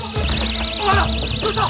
お前らどうした。